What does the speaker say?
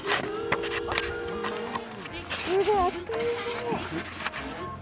すごい！あっという間。